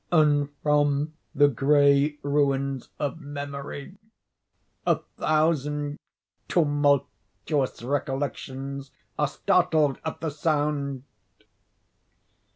—and from the gray ruins of memory a thousand tumultuous recollections are startled at the sound!